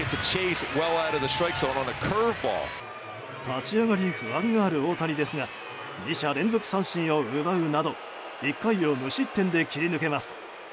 立ち上がり不安がある大谷ですが２者連続三振を奪うなど１回を無失点で切り抜けます。